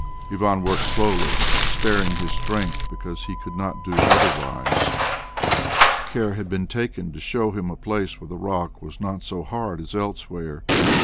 Ivan worked slowly, sparing his strength because he could not do otherwise; care had been taken to show him a place where the rock was not so hard as elsewhere.